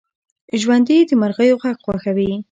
ژوندي د مرغیو غږ خوښوي